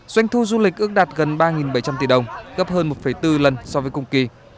doanh thu du lịch ước đạt gần ba bảy trăm linh tỷ đồng gấp hơn một bốn lần so với cùng kỳ